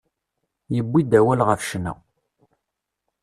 Yewwi-d awal ɣef ccna.